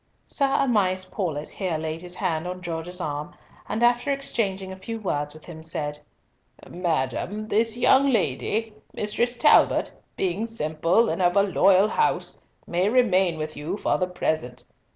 Sir Amias Paulett here laid his hand on Gorges' arm, and after exchanging a few words with him, said— "Madam, this young lady, Mistress Talbot, being simple, and of a loyal house, may remain with you for the present.